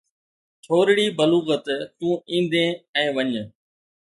ٿورڙي بلوغت تون ايندين ۽ وڃ